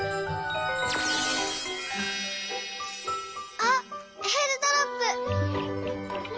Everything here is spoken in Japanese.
あっえーるドロップ！